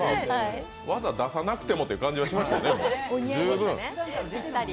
技、出さなくてもという感じがしましたね、十分。